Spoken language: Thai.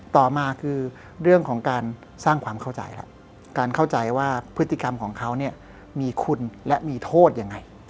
ต่อมาคือเรื่องของการสร้างความเข้าใจแล้วการเข้าใจว่าพฤติกรรมของเขาเนี่ยมีคุณและมีโทษยังไง